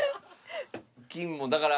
金もだから。